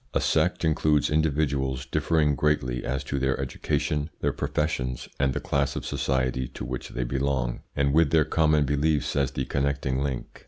A sect includes individuals differing greatly as to their education, their professions, and the class of society to which they belong, and with their common beliefs as the connecting link.